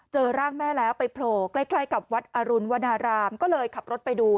เจอร่างแม่แล้วไปโผล่ใกล้ใกล้กับวัดอรุณวนารามก็เลยขับรถไปดู